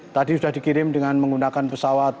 tadi sudah dikirim dengan menggunakan pesawat